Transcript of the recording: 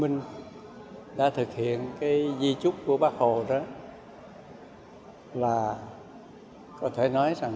là đảng bộ và nhân dân tp hcm đã thực hiện cái di trúc của bắc hồ đó là có thể nói rằng